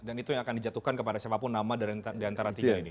dan itu yang akan dijatuhkan kepada siapapun nama diantara tiga ini